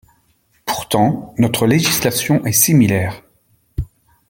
Pourtant, notre législation est similaire.